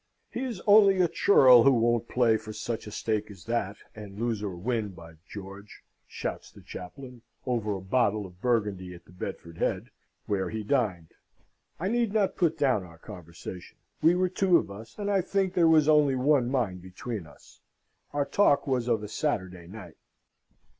He is only a churl who won't play for such a stake as that, and lose or win, by George! shouts the chaplain, over a bottle of Burgundy at the Bedford Head, where he dined. I need not put down our conversation. We were two of us, and I think there was only one mind between us. Our talk was of a Saturday night....